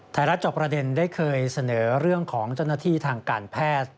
จอบประเด็นได้เคยเสนอเรื่องของเจ้าหน้าที่ทางการแพทย์